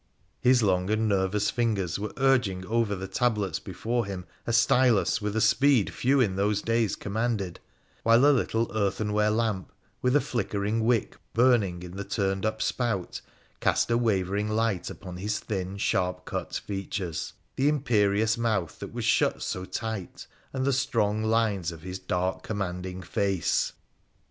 His long and nervous fingers were urging over the tablets before him a stylus with a speed few in those days commanded, while a little earthenware lamp, with a flickering wick burning in the turned up spout, cast a wavering light upon his thin, Bharp cut features — the ira» PHRA THE PHCEMICIAN 19 perious mouth that was shut so tight, and the strong lines of his dark commanding face.